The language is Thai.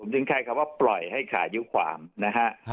ถึงใช้คำว่าปล่อยให้ขายุความนะฮะ